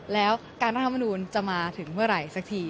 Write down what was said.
แล้วการรัฐมนูลจะมาถึงเมื่อไหร่สักที